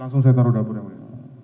langsung saya taruh dapur yang mulia